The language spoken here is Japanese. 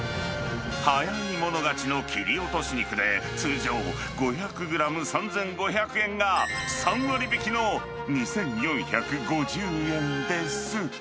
早い者勝ちの切り落とし肉で、通常５００グラム３５００円が、３割引きの２４５０円です。